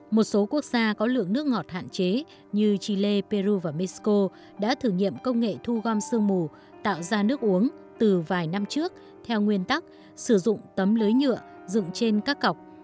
một số quốc gia có lượng nước ngọt hạn chế như chile peru và mexico đã thử nghiệm công nghệ thu gom sương mù tạo ra nước uống từ vài năm trước theo nguyên tắc sử dụng tấm lưới nhựa dựng trên các cọc